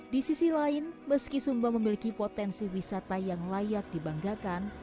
di sisi lain meski sumba memiliki potensi wisata yang layak dibanggakan